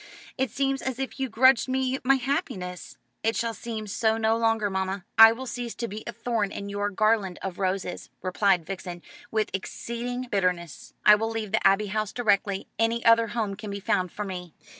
It seems as if you grudged me my happiness." "It shall seem so no longer, mamma. I will cease to be a thorn in your garland of roses," replied Vixen, with exceeding bitterness. "I will leave the Abbey House directly any other home can be found for me.